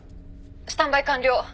スタンバイ完了。